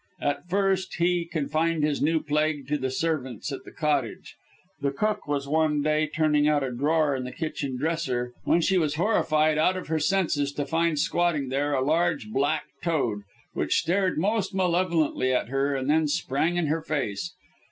At first he confined his new plague to the servants at the Cottage. The cook was one day turning out a drawer in the kitchen dresser, when she was horrified out of her senses to find squatting there, a large, black toad, which stared most malevolently at her, and then sprang in her face.